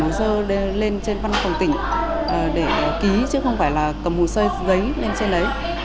hồ sơ lên trên văn phòng tỉnh để ký chứ không phải là cầm hồ sơ giấy lên trên đấy